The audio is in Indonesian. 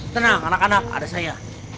tenang anak anak ada saya